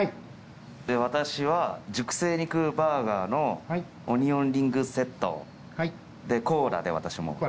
私は熟成肉バーガーのオニオンリングセット。でコーラで私も。